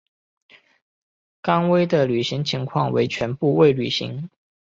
甘薇的履行情况为全部未履行。